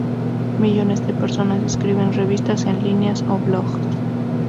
Millones de personas escriben revistas en línea o blogs.